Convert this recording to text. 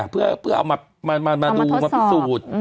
เพื่อเอามาดูมาพิสูจน์